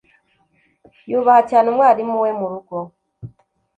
Yubaha cyane umwarimu we murugo.